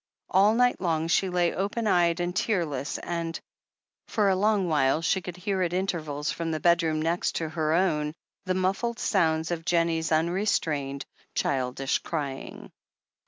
All night long she lay open eyed and tearless, and for a long while she could hear at intervals from the bed room next to her own the muffled sounds of Jennie's unrestrained, childish crying.